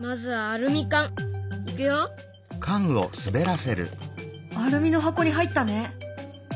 アルミの箱に入ったね。